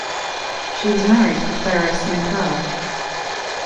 She was married to Pharaoh Smenkhare.